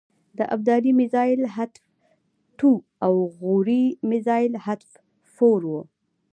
د ابدالي میزایل حتف ټو او غوري مزایل حتف فور و.